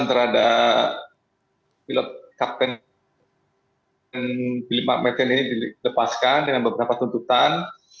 dan terhadap pilot kapten filip maximertens ini dilepaskan dengan beberapa tuntutan